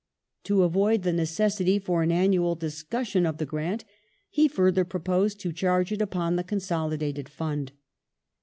To avoid the necessity for an annual discussion of the grant he further proposed to charge it upon the Consolidated Fund.